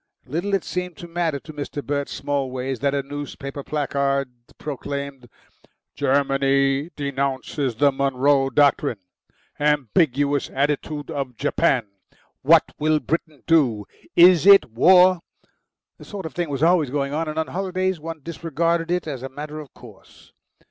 Little it seemed to matter to Mr. Bert Smallways that a newspaper placard proclaimed: GERMANY DENOUNCES THE MONROE DOCTRINE. AMBIGUOUS ATTITUDE OF JAPAN. WHAT WILL BRITAIN DO? IS IT WAR? This sort of thing was alvays going on, and on holidays one disregarded it as a matter of course.